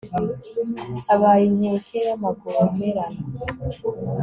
abaye inkeke y'amagomerane